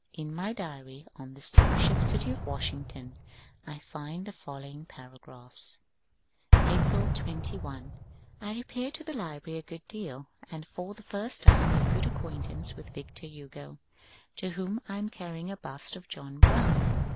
In my diary on the steamship City of Washington I find the following paragraphs :— April 21. I repair to the library a good deal, and for the first time make good acquaintance with Victor Hugo, to whom I am carrying a bust of John Brown.